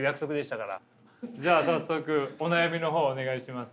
じゃあ早速お悩みの方お願いします。